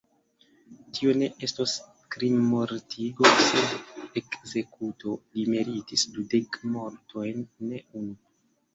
Tio ne estos krimmortigo, sed ekzekuto: li meritis dudek mortojn, ne unu.